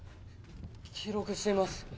記録しています。